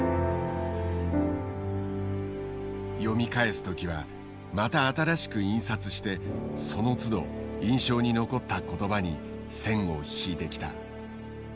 読み返す時はまた新しく印刷してそのつど印象に残った言葉に線を引いてきた。